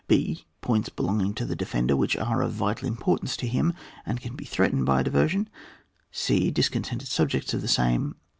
h. Points belonging to the defender which are of vital importance to him and can be threatened by a diversion. e. Discontented subjects of the same.